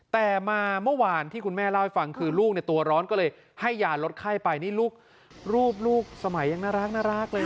แต่มาเมื่อวานที่คุณแม่เล่าให้ฟังคือลูกตัวร้อนก็เลยให้ยาลดไข้ไปนี่ลูกลูกสมัยยังน่ารักเลยนะ